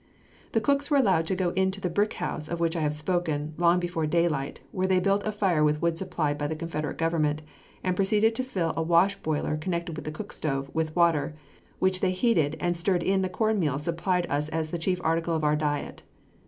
The cooks were allowed to go into the brick house of which I have spoken, long before daylight, where they built a fire with wood supplied by the Confederate government, and proceeded to fill a wash boiler connected with the cook stove, with water, which they heated and stirred in the corn meal supplied us as the chief article of our diet.